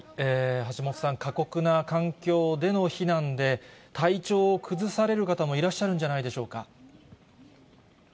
橋本さん、過酷な環境での避難で、体調を崩される方もいらっしゃるんじゃないでしょうか。